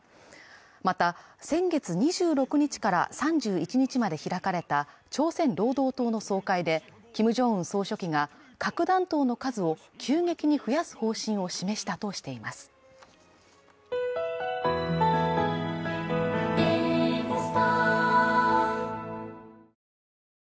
また先月２６日から３１日まで開かれた、朝鮮労働党の総会でキム・ジョンウン総書記が核弾頭の数を急激に増やす方針を示したとしています。